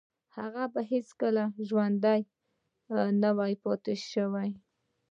هغه به هیڅکله ژوندی نه و پاتې شوی